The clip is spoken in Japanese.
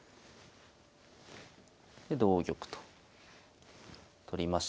で同玉と取りまして。